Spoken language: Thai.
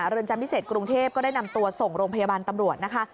เรือนจำพิเศษกรุงเทพก็ได้นำตัวส่งโรงพยาบาลตำรวจนะคะ